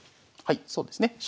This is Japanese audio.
はいそうですね